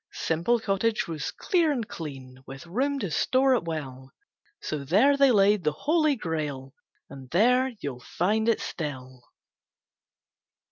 Simple Cottage was clear and clean, With room to store at will; So there they laid the Holy Grail, And there you'll find it still.